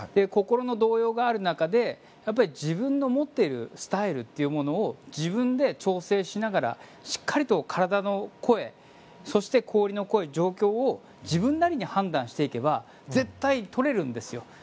心の動揺がある中でやっぱり自分の持っているスタイルというものを自分で調整しながらしっかりと体の声そして氷の声状況を自分なりに判断していけば絶対とれるんですよ。